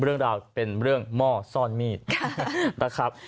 เรื่องราวเป็นเรื่องหม้อซ่อนมีดนะครับ